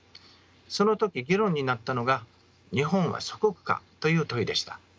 その時議論になったのが日本は祖国かという問いでした。